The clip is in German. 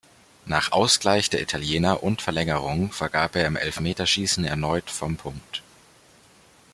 Nach Ausgleich der Italiener und Verlängerung vergab er im Elfmeterschießen erneut vom Punkt.